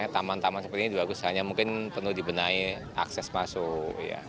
taman taman seperti ini bagus hanya mungkin perlu dibenahi akses masuk ya